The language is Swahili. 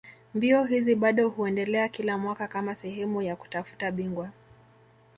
Mbio hizi bado huendelea kila mwaka kama sehemu ya kutafuta bingwa